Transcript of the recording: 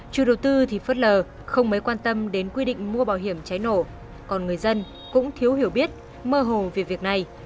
chủ đầu tư thì phớt lờ không mấy quan tâm đến quy định mua bảo hiểm cháy nổ còn người dân cũng thiếu hiểu biết mơ hồ về việc này